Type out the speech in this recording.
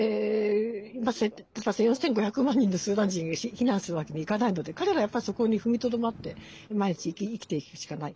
４５００万人のスーダン人が避難するわけにいかないので彼らはそこに踏みとどまって毎日、生きていくしかない。